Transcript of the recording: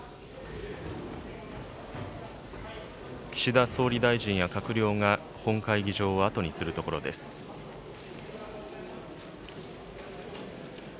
岸田総理大臣や閣僚が本会議場を後にするところです。